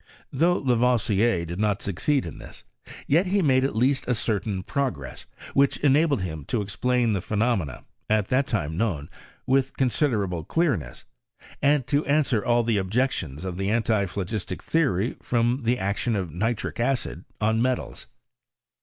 Though La voisier did not succeed in this, yet he made at least a certain progress, which enabled him to explain the phenomena, at that time known, with considerable clearness, and to answer all the objections to the an tiphlogistic theory from the action of nitric acid on metals.